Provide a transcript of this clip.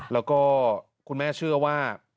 แล้วก็คุณแม่เชื่อว่า